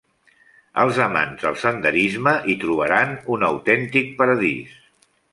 Els amants del senderisme hi trobaran un autèntic paradís.